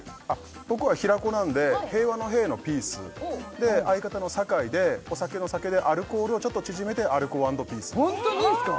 僕は平子なんで平和の「平」のピース相方の酒井でお酒の「酒」でアルコールをちょっと縮めてアルコ＆ピースホントにですか？